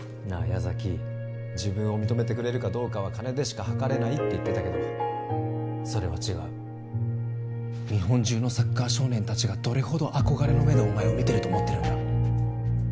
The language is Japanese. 矢崎自分を認めてくれるかどうかは金でしかはかれないって言ってたけどそれは違う日本中のサッカー少年達がどれほど憧れの目でお前を見てると思ってるんだ